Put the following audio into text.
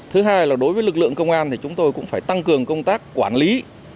thứ hai là đối với lực lượng công an thì chúng tôi cũng phải tăng cường công tác quản lý